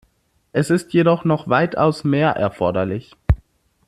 Es ist jedoch noch weitaus mehr erforderlich.